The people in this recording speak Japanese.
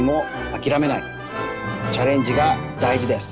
チャレンジがだいじです。